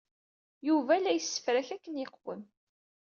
Yuba la yessefrak akken yeqwem.